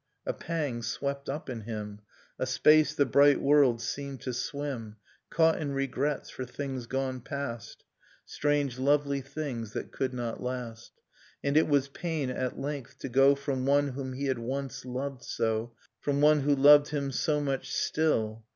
A pang swept up in him, A space the bright world seemed to swim, Caught in regrets for things gone past, Strange lovely things that could not last; Nocturne of Remembered Spring And it was pain, at length, to go From one whom he had once loved so, — From one who loved him so much still